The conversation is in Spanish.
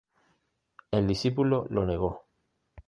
El discípulo lo negó.